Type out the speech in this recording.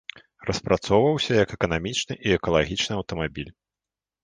Распрацоўваўся як эканамічны і экалагічны аўтамабіль.